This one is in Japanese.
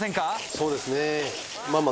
そうですね。